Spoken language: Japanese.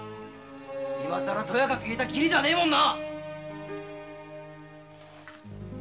今更とやかく言えた義理じゃねえもんな！